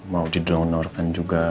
mau didonorkan juga